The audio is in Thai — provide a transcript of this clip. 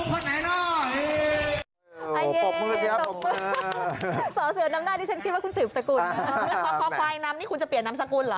ความควายนำนี่คุณจะเปลี่ยนนำสกุลหรอ